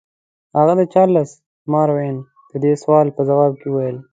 هغه د چارلس ماروین د دې سوال په ځواب کې وویل.